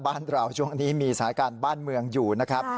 บ้านเราช่วงนี้มีสถานการณ์บ้านเมืองอยู่นะครับ